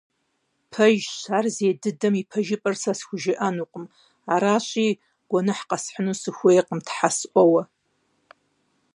Пэжщ, ар зей дыдэм и пэжыпӀэр сэ схужыӀэнукъым, аращи, гуэныхь къэсхьыну сыхуейкъым, Тхьэ сӀуэуэ.